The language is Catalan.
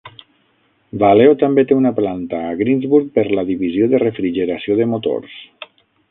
Valeo també té una planta a Greensburg per la divisió de refrigeració de motors.